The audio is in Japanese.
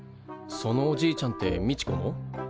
そのおじいちゃんってみちこの？